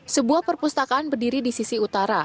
sebuah perpustakaan berdiri di sisi utara